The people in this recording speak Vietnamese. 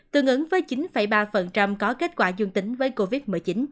tương ứng với chín ba có kết quả dương tính với covid một mươi chín